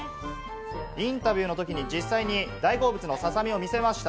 インタビューのときに実際に大好物のささみを見せました。